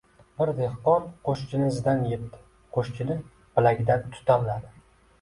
Bir dehqon qo‘shchini izidan yetdi. Qo‘shchini bilagidan tutamladi.